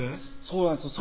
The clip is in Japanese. そうなんですよ